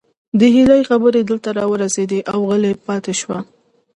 د هيلې خبرې دلته راورسيدې او غلې پاتې شوه